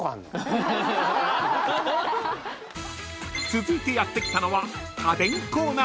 ［続いてやって来たのは］